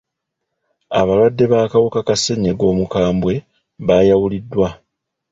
Abalwadde b'akawuka ka ssenyiga omukambwe bayawuliddwa.